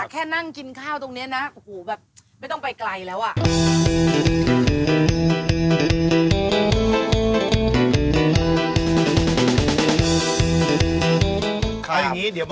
แค่นั่งกินข้าวตรงนี้นะไม่ต้องไปไกลแล้ว